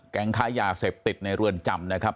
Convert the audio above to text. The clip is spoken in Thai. ค้ายาเสพติดในเรือนจำนะครับ